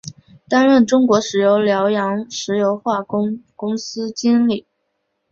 担任中国石油辽阳石油化工公司经理。